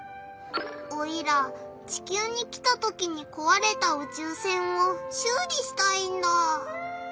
オイラ地きゅうに来たときにこわれたうちゅう船をしゅう理したいんだ。